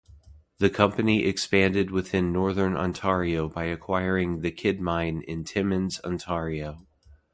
The company expanded within northern Ontario by acquiring the Kidd Mine in Timmins, Ontario.